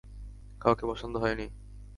কাউকে পছন্দ হয়নি?